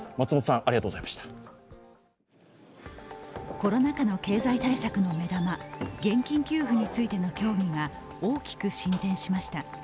コロナ禍の経済対策の目玉、現金給付についての協議が大きく進展しました。